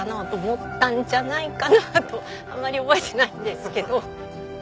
あんまり覚えてないですけど。